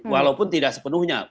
walaupun tidak sepenuhnya